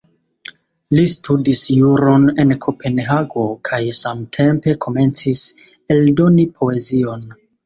Li studis juron en Kopenhago, kaj samtempe komencis eldoni poezion.